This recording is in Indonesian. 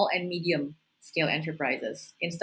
dari perusahaan di tingkat kecil dan sederhana